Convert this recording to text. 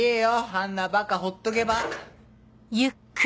あんなバカ放っとけば。